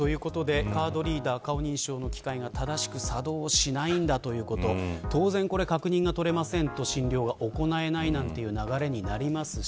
カードリーダー顔認証の機械が正しく作動しないということ確認が取れないと診療が行えないという流れになります。